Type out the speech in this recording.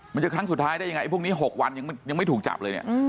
มันจะครั้งสุดท้ายได้ยังไงพวกนี้๖วันยังไม่ถูกจับเลยเนี่ย